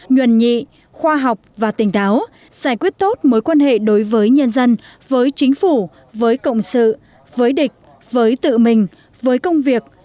nguyền nhị khoa học và tỉnh táo giải quyết tốt mối quan hệ đối với nhân dân với chính phủ với cộng sự với địch với tự mình với công việc